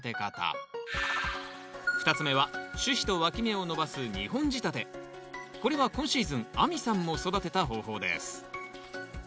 ２つ目は主枝とわき芽を伸ばすこれは今シーズン亜美さんも育てた方法です。